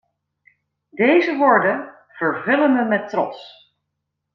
Deze woorden vervullen me met trots.